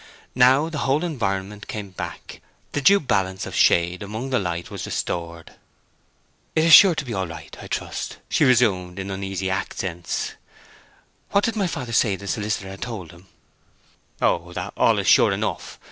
Now the whole environment came back, the due balance of shade among the light was restored. "It is sure to be all right, I trust?" she resumed, in uneasy accents. "What did my father say the solicitor had told him?" "Oh—that all is sure enough.